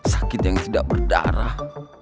sakit yang tidak berdarah